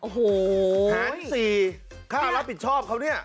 หัน๔ค่ารับผิดชอบเขาเนี่ยโอ้โห